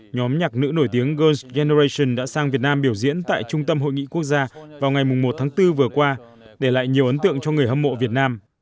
nhóm nhạc nữ nổi tiếng gls genoration đã sang việt nam biểu diễn tại trung tâm hội nghị quốc gia vào ngày một tháng bốn vừa qua để lại nhiều ấn tượng cho người hâm mộ việt nam